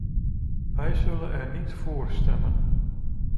Wij zullen er niet voor stemmen.